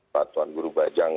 pak tuan guru bajang